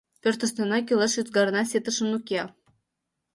Пӧртыштына кӱлеш ӱзгарна ситышын уке.